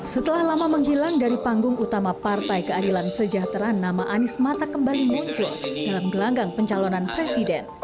setelah lama menghilang dari panggung utama partai keadilan sejahtera nama anies mata kembali muncul dalam gelanggang pencalonan presiden